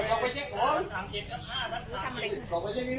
สวัสดีครับคุณแฟม